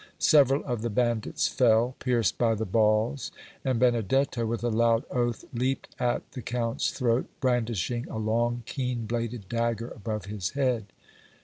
Several of the bandits fell, pierced by the balls, and Benedetto, with a loud oath, leaped at the Count's throat, brandishing a long, keen bladed dagger above his head.